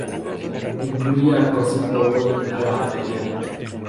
Incluye a Cozy Powell a la batería.